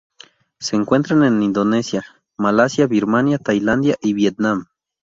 Se encuentran en Indonesia, Malasia, Birmania, Tailandia, y Vietnam.